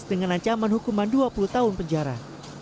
dengan ancaman hukuman dua puluh tahun penjara